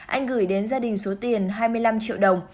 anh gửi đến gia đình số tiền hai mươi năm triệu đồng